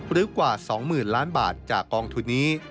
หรือกว่า๒๐๐๐ล้านบาทจากกองทุนนี้